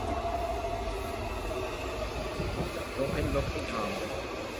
論輩無論歲